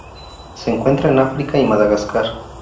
Se encuentra en África y Madagascar.